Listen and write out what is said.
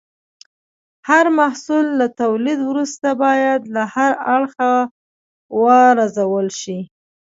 هر محصول له تولید وروسته باید له هر اړخه وارزول شي.